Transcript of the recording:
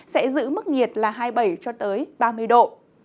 sẽ giữ mức nhiệt là hai mươi bảy ba mươi độ